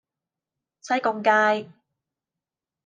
西貢街